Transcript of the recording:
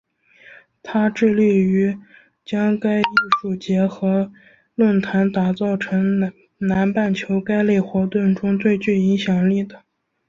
它致力于将该艺术节和论坛打造成南半球该类活动中最具影响力的。